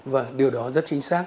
vâng điều đó rất chính xác